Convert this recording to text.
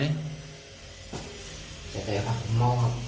ผม